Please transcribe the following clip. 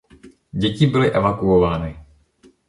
Děti byly evakuovány.